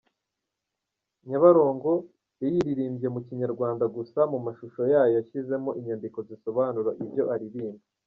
Nyabarongo’ yayiririmbye mu Kinyarwanda gusa mu mashusho yayo yashyizemo inyandiko zisobanura ibyo aririmba.